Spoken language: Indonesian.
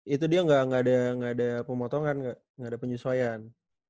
itu dia nggak ada pemotongan nggak ada penyesuaian